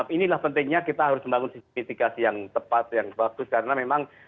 inilah pentingnya kita harus membangun sistem mitigasi yang tepat yang bagus karena memang